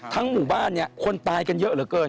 หมู่บ้านเนี่ยคนตายกันเยอะเหลือเกิน